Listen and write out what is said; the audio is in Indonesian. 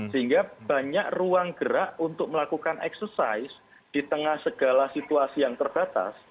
sehingga banyak ruang gerak untuk melakukan eksersis di tengah segala situasi yang terbatas